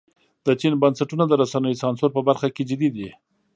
د چین بنسټونه د رسنیو سانسور په برخه کې جدي دي.